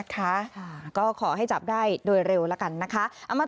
ก็ขอให้จับได้โดยเร็วแล้วกันนะคะ